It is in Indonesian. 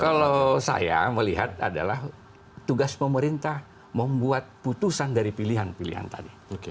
kalau saya melihat adalah tugas pemerintah membuat putusan dari pilihan pilihan tadi